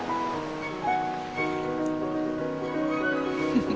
フフ。